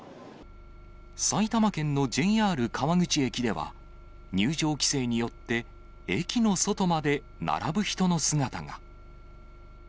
埼玉県のＪＲ川口駅では、入場規制によって、駅の外まで並ぶ人の姿が。